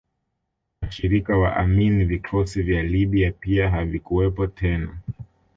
Washirika wa Amin vikosi vya Libya pia havikuwepo tena